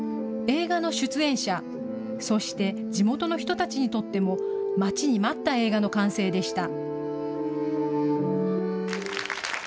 映画の出演者、そして地元の人たちにとっても待ちに待った映画の完成でした。